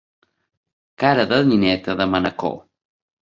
Cara de nineta de Manacor.